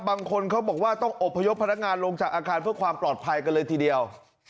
บางคนเขาบอกว่าต้องอบพยพพนักงานลงจากอาคารเพื่อความปลอดภัยกันเลยทีเดียว